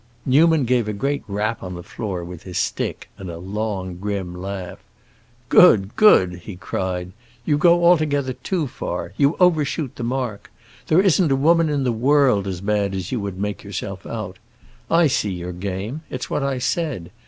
Newman gave a great rap on the floor with his stick, and a long, grim laugh. "Good, good!" he cried. "You go altogether too far—you overshoot the mark. There isn't a woman in the world as bad as you would make yourself out. I see your game; it's what I said.